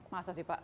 masa sih pak